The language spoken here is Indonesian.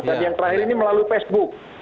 dan yang terakhir ini melalui facebook